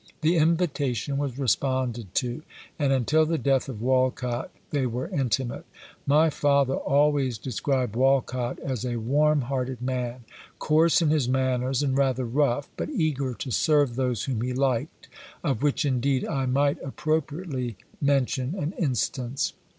The invitation was responded to, and until the death of Wolcot, they were intimate. My father always described Wolcot as a warm hearted man; coarse in his manners, and rather rough, but eager to serve those whom he liked, of which, indeed, I might appropriately mention an instance.